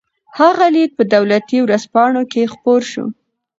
هغه لیک په دولتي ورځپاڼو کې خپور شو.